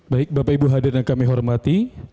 baik bapak ibu hadir yang kami hormati